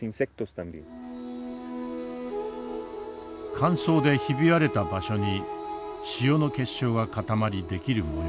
乾燥でひび割れた場所に塩の結晶が固まり出来る模様。